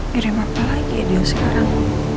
kirim apa lagi dia sekarang